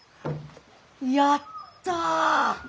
やった！